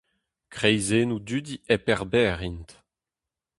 Kreizennoù-dudi hep herberc'h int.